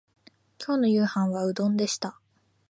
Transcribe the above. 今日の夕飯はうどんでした